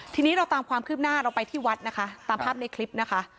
ทีนี้เราตามความคืบหน้าเราไปที่วัดนะคะตามภาพในคลิปนะคะ